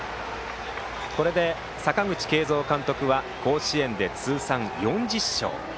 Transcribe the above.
これで阪口慶三監督は甲子園で通算４０勝。